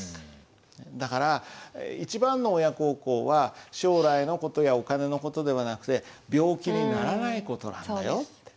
だから一番の親孝行は将来の事やお金の事ではなくて病気にならない事なんだよって。